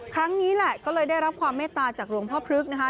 ครั้งนี้แหละก็เลยได้รับความเมตตาจากหลวงพ่อพฤกษ์นะคะ